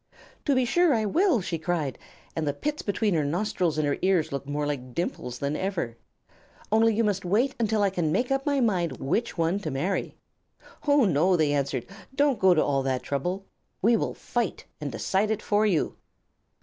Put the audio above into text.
"To be sure I will," she cried, and the pits between her nostrils and her ears looked more like dimples than ever. "Only you must wait until I can make up my mind which one to marry." "Oh, no," they answered, "don't go to all that trouble. We will fight and decide it for you."